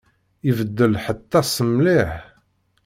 Ibeddel lḥeṭṭa-s mliḥ.